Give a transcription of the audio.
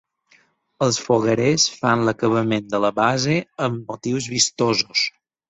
Els foguerers fan l’acabament de la base amb motius vistosos.